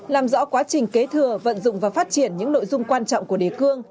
làm rõ quá trình kế thừa vận dụng và phát triển những nội dung quan trọng của đề cương